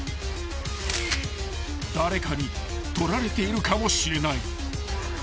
［誰かに撮られているかもしれない］